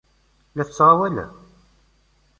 La tettɣawal?